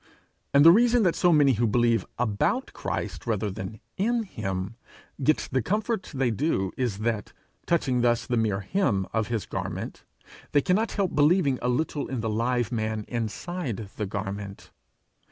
And the reason that so many who believe about Christ rather than in him, get the comfort they do, is that, touching thus the mere hem of his garment, they cannot help believing a little in the live man inside the garment.